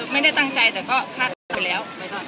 ไม่ได้ตั้งใจแต่ก็คาดกนแต่งไปแล้ว